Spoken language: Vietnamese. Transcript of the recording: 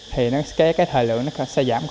thời lượng sẽ giảm